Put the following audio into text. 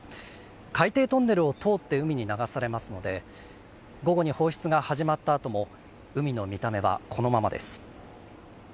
海底トンネルを通って海に流されますので午後に放出が始まった後も海の見た目は、このままです。